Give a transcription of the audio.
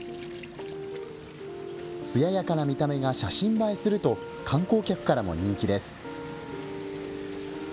つややかな見た目が写真映えすると観光客からも人気です。